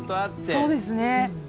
そうですね。